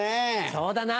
そうだな。